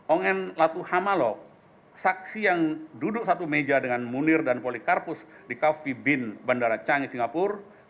ongen latuhamalo saksi yang duduk satu meja dengan munir dan polikarpus di kaffi bin bandara cangi singapura